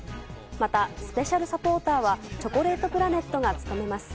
また、スペシャルサポーターはチョコレートプラネットが務めます。